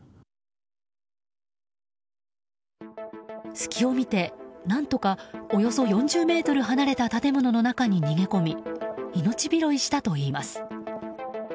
隙を見て、何とかおよそ４０ｍ離れた建物の中に逃げ込み命拾いしたといいます。